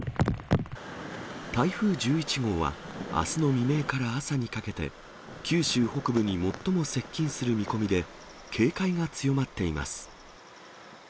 台風１１号は、あすの未明から朝にかけて、九州北部に最も接近する見込みで、警戒が強まっています。